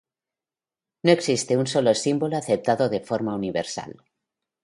No existe un solo símbolo aceptado de forma universal.